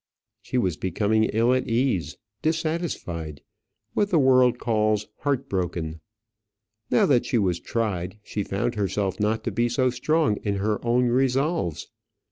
She was becoming ill at ease, dissatisfied, what the world calls heart broken. Now that she was tried, she found herself not to be so strong in her own resolves.